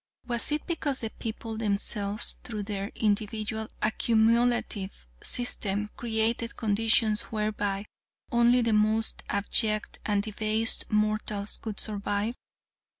Was it because the people themselves, through their individual accumulative system, created conditions whereby only the most abject and debased mortals could survive?